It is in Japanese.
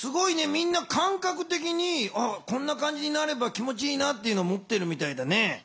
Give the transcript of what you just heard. みんなかんかくてきにこんな感じになれば気もちいいなっていうのもってるみたいだね。